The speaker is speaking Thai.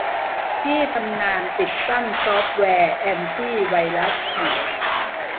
ที่ทำงานติดตั้งซอฟต์แวร์แอนตี้ไวรัสใหม่